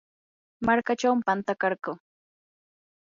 markachaw pantakarquu.